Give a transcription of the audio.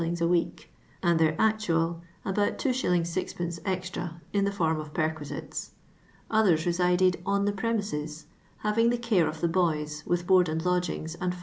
a week, and their actual about 2s.,6d. extra in the fonn of perquisites. Others resided "on the premises," having the care of the boys, with board and lodgings and 5s.